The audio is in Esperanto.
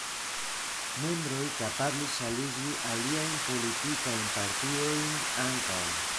Membroj kapablis aliĝi aliajn politikajn partiojn ankaŭ.